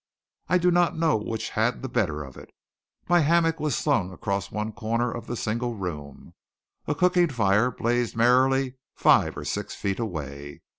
I do not know which had the better of it. My hammock was slung across one corner of the single room. A cooking fire blazed merrily five or six feet away.